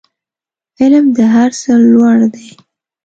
علم د هر څه لوړ دی